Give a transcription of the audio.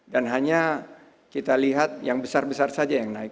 dan hanya kita lihat yang besar besar saja yang naik